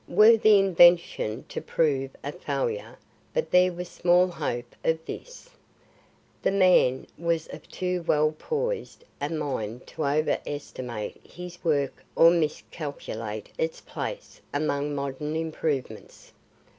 Were the invention to prove a failure but there was small hope of this. The man was of too well poised a mind to over estimate his work or miscalculate its place among modern improvements.